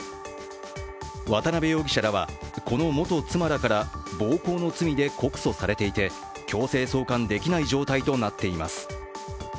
渡辺容疑者らは、この元妻らから暴行の罪で告訴されていて強制送還できない状態となっています。